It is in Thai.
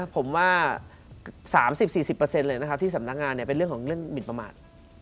ผมว่า๓๐๔๐เลยนะครับที่สำนักงานเป็นเรื่องของเรื่องหมินประมาท